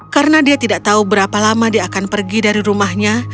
karena dia tidak tahu berapa lama dia akan pergi dari rumahnya